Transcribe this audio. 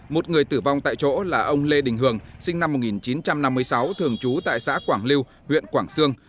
một người tử vong tại chỗ là ông lê đình hường sinh năm một nghìn chín trăm năm mươi sáu thường trú tại xã quảng lưu huyện quảng sương